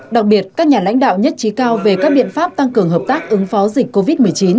đặc biệt các nhà lãnh đạo nhất trí cao về các biện pháp tăng cường hợp tác ứng phó dịch covid một mươi chín